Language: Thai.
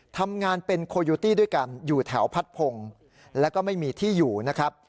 ทำงานเป็นโคโยตี้ด้วยกันอยู่แถวพัดพงศ์แล้วก็ไม่มีที่อยู่นะครับ